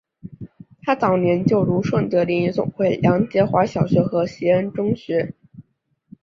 她早年就读顺德联谊总会梁洁华小学和协恩中学。